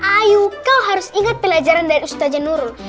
ayo kau harus ingat pelajaran dari ustazya nurul